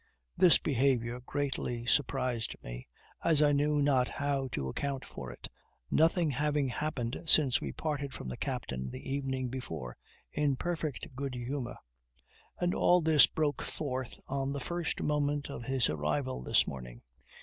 This behavior greatly surprised me, as I knew not how to account for it, nothing having happened since we parted from the captain the evening before in perfect good humor; and all this broke forth on the first moment of his arrival this morning.